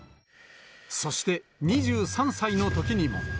そして２３歳のときにも。